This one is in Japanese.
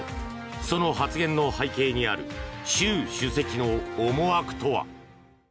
その発言の背景にある習主席の思惑とは。